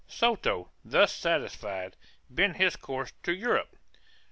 Soto, thus satisfied, bent his course to Europe.